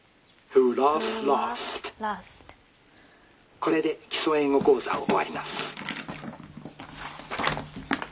「これで『基礎英語講座』を終わります」。